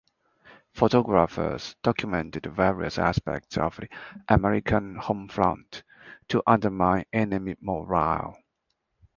Photographers documented various aspects of the American homefront to undermine enemy morale.